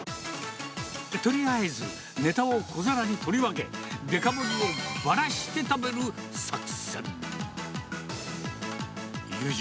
とりあえず、ねたを小皿に取り分け、デカ盛りをばらして食べる作戦。